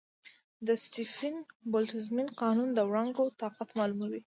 د سټیفن-بولټزمن قانون د وړانګو طاقت معلوموي.